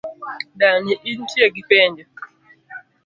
Dani, intie gi penjo?